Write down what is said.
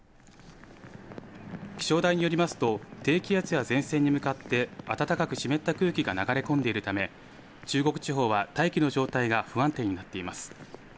気象台によりますと低気圧や前線に向かって暖かく湿った空気が流れ込んでいるため中国地方は大気の状態が不安定になっています。